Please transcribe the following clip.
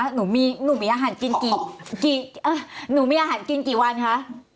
หนูมีหนูมีอาหารกินกี่หนูมีอาหารกินกี่วันคะ